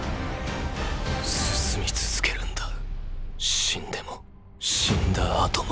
進み続けるんだ死んでも死んだ後も。